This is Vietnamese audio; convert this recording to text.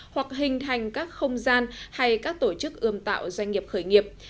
hoặc hình thành các không gian hay các tổ chức ươm tạo doanh nghiệp khởi nghiệp